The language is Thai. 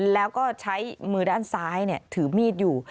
แล้วก็ใช้มือด้านซ้ายถือมีดอยู่